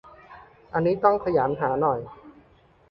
อันนี้ต้องขยันหาหน่อย